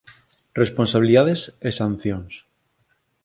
Responsabilidades e sancións